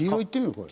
これ。